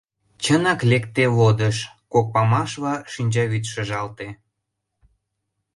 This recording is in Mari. Чынак лекте лодыш — кок памашла шинчавӱд шыжалте.